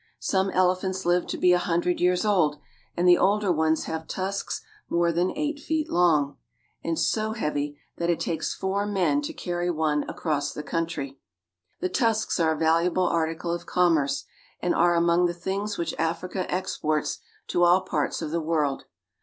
Some ele phants live to be a hundred years old, and the older ones have tusks more than eight feet long, and so heavy that it takes four men to carry one across the country. The tusks are a valuable article of commerce, and are among the things which Africa exports to all parts of the world.